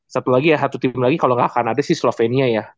satu lagi ya satu tim lagi kalau nggak akan ada sih slovenia ya